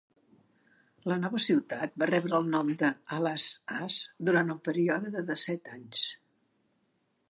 La nova ciutat va rebre el nom d'"Alas-as" durant un període de dèsset anys.